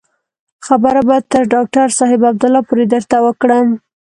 خبره به تر ډاکتر صاحب عبدالله پورې درته وکړم.